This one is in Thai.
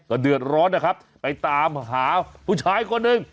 เดือดร้อนนะครับไปตามหาผู้ชายคนหนึ่ง